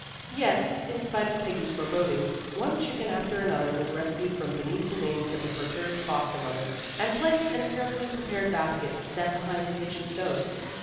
Yet, in spite of Peggy's forebodings, one chicken after another was rescued from beneath the wings of the perturbed foster mother, and placed in a carefully prepared basket set behind the kitchen stove.